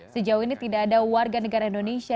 sejauh ini tidak ada warga negara indonesia